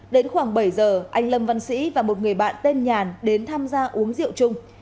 đến khoảng bảy giờ anh lâm văn sĩ và một người bạn tên nhàn đến tham gia uống rượu chung